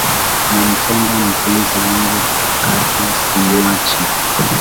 Nampenda mpenzi wangu katu simwachi.